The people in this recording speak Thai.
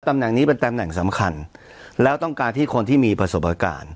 ตำแหน่งนี้เป็นตำแหน่งสำคัญแล้วต้องการที่คนที่มีประสบการณ์